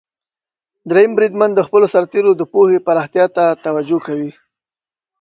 دریم بریدمن د خپلو سرتیرو د پوهې پراختیا ته توجه کوي.